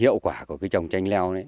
hiệu quả của cái trồng tranh leo này